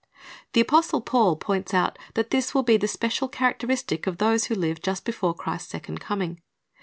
"^ The apostle Paul points out that this will be the special charac teristic of those who live just before Christ's second coming.